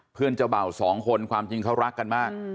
เจ้าเบ่าสองคนความจริงเขารักกันมาก